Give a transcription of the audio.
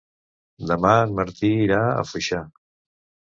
Demà en Martí irà a Foixà.